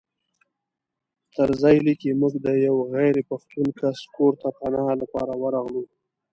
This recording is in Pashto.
طرزي لیکي موږ د یوه غیر پښتون کس کور ته پناه لپاره ورغلو.